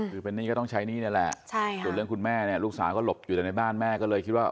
คือเป็นหนี้ก็ต้องใช้หนี้นี่แหละส่วนเรื่องคุณแม่เนี่ยลูกสาวก็หลบอยู่ในบ้านแม่ก็เลยคิดว่า